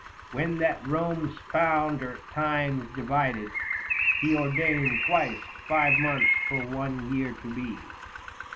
When that Eome's founder times divided, he Ordained twice five months for one year to be.